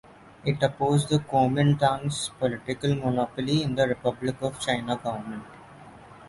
It opposed the Kuomintang's political monopoly in the Republic of China government.